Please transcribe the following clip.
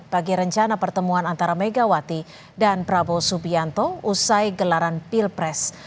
bagi rencana pertemuan antara megawati dan prabowo subianto usai gelaran pilpres